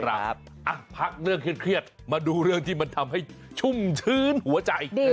พักเรื่องเครียดมาดูเรื่องที่มันทำให้ชุ่มชื้นหัวใจ